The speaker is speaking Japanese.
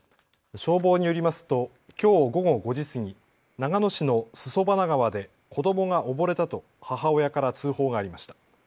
消防によりますときょう午後５時過ぎ、長野市の裾花川で子どもが溺れたと母親から通報がありました。